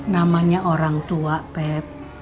namanya orang tua pet